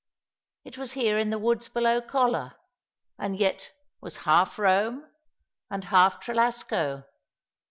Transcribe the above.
It was here in the woods below ' Colla, and yet was half Rome and half Trelasco.